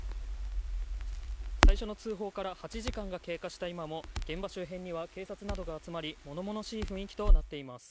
最初の通報から８時間が経過した今も現場周辺には警察などが集まり物々しい雰囲気となっています。